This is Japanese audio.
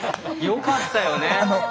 よかったよね？